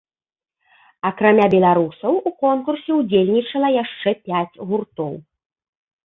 Акрамя беларусаў у конкурсе ўдзельнічала яшчэ пяць гуртоў.